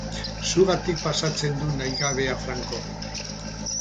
Zugatik pasatzen dut nahigabea franko.